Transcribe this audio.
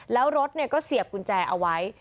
แล้วรถก็เสียบกุญแจเอาไว้